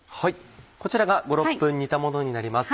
こちらが５６分煮たものになります。